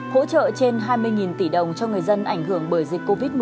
hỗ trợ trên hai mươi tỷ đồng cho người dân ảnh hưởng bởi dịch covid một mươi chín